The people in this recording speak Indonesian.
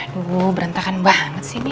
dulu berantakan banget sini